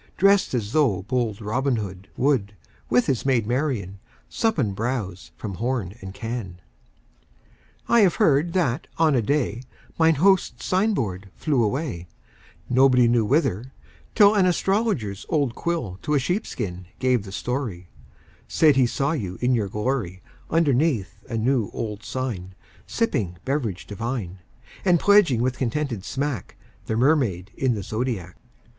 Drest as though bold Robin Hood 10 Would, with his maid Marian, Sup and bowse from horn and can. I have heard that on a day Mine host's sign board flew away, Nobody knew whither, till An astrologer's old quill To a sheepskin gave the story, Said he saw you in your glory, Underneath a new old sign Sipping beverage divine, 20 And pledging with contented smack The Mermaid in the Zodiac.